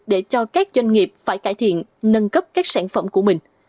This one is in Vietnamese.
để cho các doanh nghiệp phải cải thiện nâng cấp các sản phẩm của mình